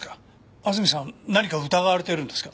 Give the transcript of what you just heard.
安積さん何か疑われてるんですか？